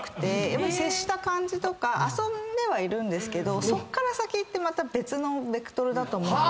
やっぱり接した感じとか遊んではいるんですけどそっから先ってまた別のベクトルだと思っているんですよ。